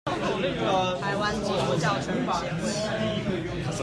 臺灣基督教全人協會